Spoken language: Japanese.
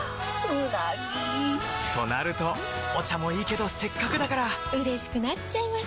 うなぎ！となるとお茶もいいけどせっかくだからうれしくなっちゃいますか！